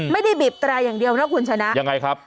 ไม่ได้บีบแตรอย่างเดียวนะคุณชนะยังไงครับ